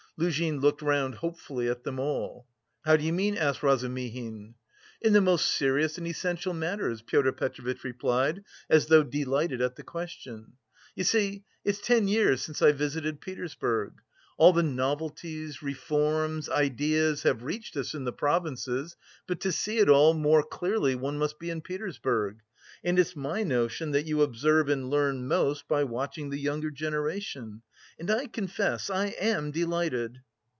Luzhin looked round hopefully at them all. "How do you mean?" asked Razumihin. "In the most serious and essential matters," Pyotr Petrovitch replied, as though delighted at the question. "You see, it's ten years since I visited Petersburg. All the novelties, reforms, ideas have reached us in the provinces, but to see it all more clearly one must be in Petersburg. And it's my notion that you observe and learn most by watching the younger generation. And I confess I am delighted..."